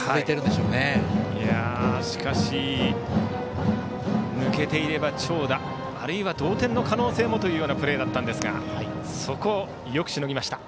しかし、抜けていれば長打あるいは同点の可能性もというプレーだったんですがそこをよくしのぎました。